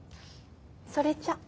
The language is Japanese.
それじゃ。